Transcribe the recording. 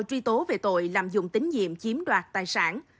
truy tố về tội lạm dụng tín nhiệm chiếm đoạt tài sản